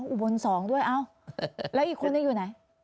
อุบล๒ด้วยเอ้าแล้วอีกคนนึงอยู่ไหน